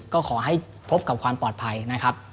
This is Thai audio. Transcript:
ก็ขอให้พบกับความปลอดภัยนะครับ